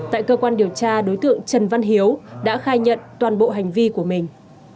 tại cơ quan điều tra đối tượng trần văn hiếu đã khai nhận toàn bộ hành vi của mình